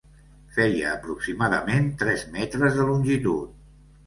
Feia aproximadament tres metres de longitud.